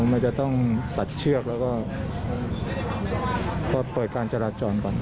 ผมไม่จะต้องตัดเชือกแล้วก็ต้องเปิดการจราวจรก่อนก่อน